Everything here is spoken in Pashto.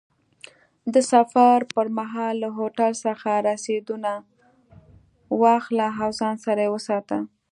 د سفر پر مهال له هوټل څخه رسیدونه واخله او ځان سره یې وساته.